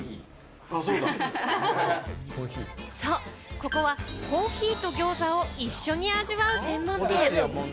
ここはコーヒーとぎょうざを一緒に味わう専門店。